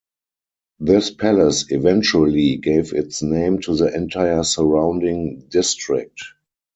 This palace eventually gave its name to the entire surrounding district.